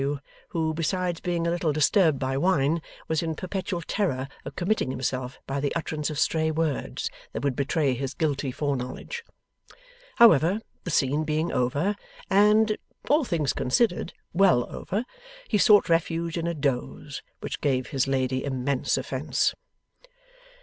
W. who, besides being a little disturbed by wine, was in perpetual terror of committing himself by the utterance of stray words that would betray his guilty foreknowledge. However, the scene being over, and all things considered well over, he sought refuge in a doze; which gave his lady immense offence.